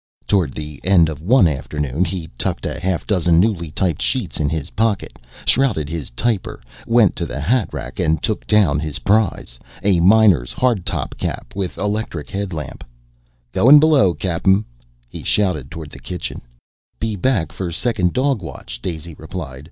Toward the end of one afternoon he tucked a half dozen newly typed sheets in his pocket, shrouded his typer, went to the hatrack and took down his prize: a miner's hard top cap with electric headlamp. "Goin' below, Cap'n," he shouted toward the kitchen. "Be back for second dog watch," Daisy replied.